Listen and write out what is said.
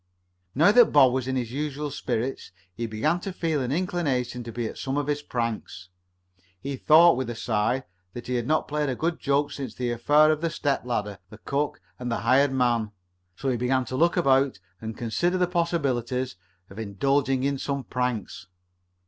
Now that Bob was in his usual spirits he began to feel an inclination to be at some of his pranks. He thought, with a sigh, that he had not played a good joke since the affair of the step ladder, the cook and the hired man. So he began to look about and consider the possibilities of indulging in some pranks.